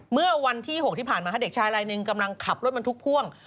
เมื่อวันที่๖ที่ผ่านมาเด็กชายลายหนึ่งกำลังขับรถบรรทุกพ่วง